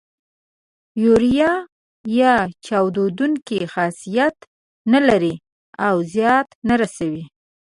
یوریا چاودیدونکی خاصیت نه لري او زیان نه رسوي.